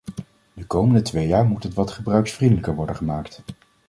De komende twee jaar moet het wat gebruikersvriendelijker worden gemaakt.